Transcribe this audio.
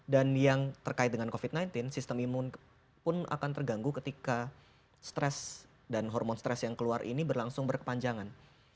dan yang terkait dengan covid sembilan belas sistem imun pun akan terganggu ketika stress dan hormon stress yang keluar ini berlangsung berkepanjangan